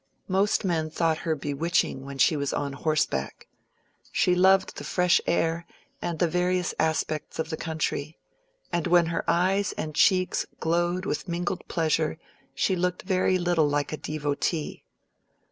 Most men thought her bewitching when she was on horseback. She loved the fresh air and the various aspects of the country, and when her eyes and cheeks glowed with mingled pleasure she looked very little like a devotee.